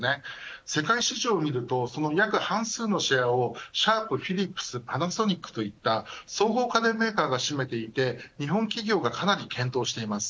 世界市場を見るとその半数のシェアをシャープ、フィリップス、パナソニックといった総合家電メーカーが占めていて日本企業がかなり健闘しています。